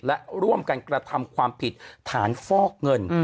และร่วมกันกระทำความผิดฐานฟอกเงิน